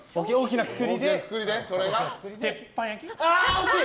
惜しい！